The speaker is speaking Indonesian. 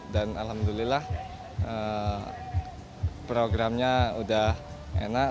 dan alhamdulillah programnya sudah enak